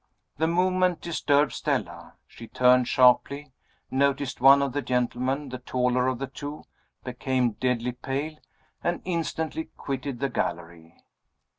The movement disturbed Stella. She turned sharply noticed one of the gentlemen, the taller of the two became deadly pale and instantly quitted the gallery.